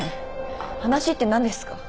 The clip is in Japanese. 話って何ですか？